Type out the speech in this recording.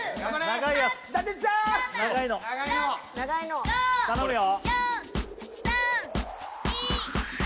長いの頼むよ